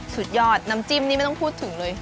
สุดยอดน้ำจิ้มนี่ไม่ต้องพูดถึงเลย